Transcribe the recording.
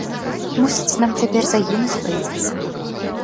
- Мусіць, нам цяпер загінуць прыйдзецца